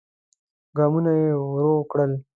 ګامونه يې ورو کړل.